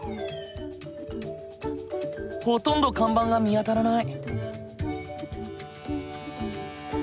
ほとんど看板が見当たらない。